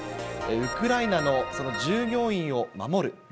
ウクライナの従業員を守る。